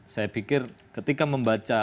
saya pikir ketika membaca